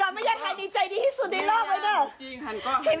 เห็นก้อแม่ย่าไทยดีใจที่สุดในโลกไหมเนี่ย